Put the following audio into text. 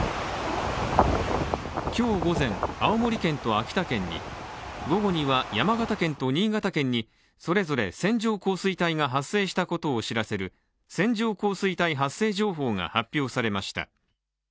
今日午前、青森県と秋田県に午後には山形県と新潟県にそれぞれ線状降水帯が発生したことを知らせる線状降水帯発生情報が発表されました。